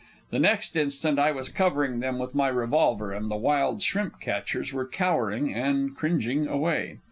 The next instant I was covering them with my revolver, and the wild shrimp catchers were cowering and cringing away.